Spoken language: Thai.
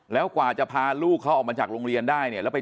แล้วกว่าจะพาลูกเขาออกมาจากโรงเรียนได้เนี่ย